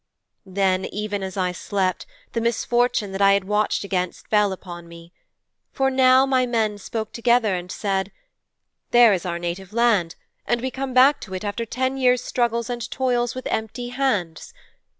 'Then even as I slept, the misfortune that I had watched against fell upon me. For now my men spoke together and said, "There is our native land, and we come back to it after ten years' struggles and toils, with empty hands.